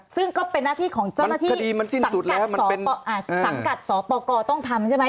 ซึ่งก็เป็นหน้าที่ของเจ้าหน้าที่สังกัดสังกัดสปกรต้องทำใช่ไหม